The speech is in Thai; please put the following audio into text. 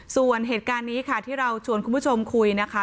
ส่วนเหตุการณ์นี้ค่ะที่เราชวนคุณผู้ชมคุยนะคะ